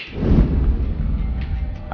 saya tidak sudi